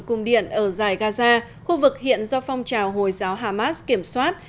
cung điện ở dài gaza khu vực hiện do phong trào hồi giáo hamas kiểm soát